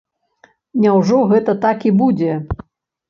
Няўжо гэта так і будзе?